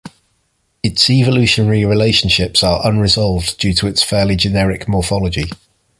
Its evolutionary relationships are unresolved due to its fairly generic morphology.